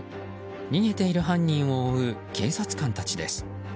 逃げている犯人を追う警察官たちです。